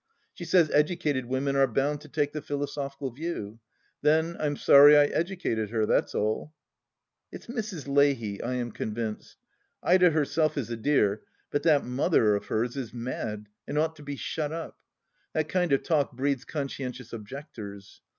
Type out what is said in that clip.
She says educated women are bound to take the philosophical view. Then I'm sorry I educated her, that's all. It's Mrs. Leahy, I am convinced. Ida herself is a dear, but that mother of hers is mad, and ought to be shut up. That kind of talk breeds Conscientious Objectors.